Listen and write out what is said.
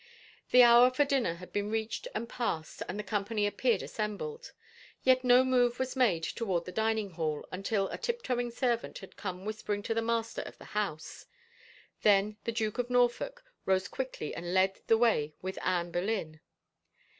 The hour for dinner had been reached and passed and the company appeared assembled, yet no move was made toward the dining hall imtil a tiptoeing servant had come whispering to the master of the house. Then the Duke of Norfolk rose quickly and led the way with Anne Boleyn.